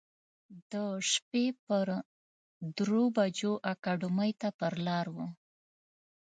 د شپې پر درو بجو اکاډمۍ ته پر لار و.